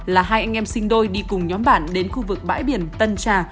là hai anh em sinh đôi đi cùng nhóm bạn đến khu vực bãi biển tân trà